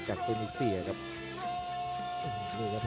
กันต่อแพทย์จินดอร์